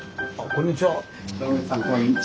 こんにちは。